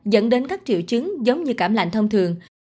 dẫn đến các triệu chứng giống như cảm lạnh thông thường